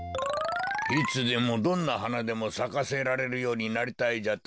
いつでもどんなはなでもさかせられるようになりたいじゃと？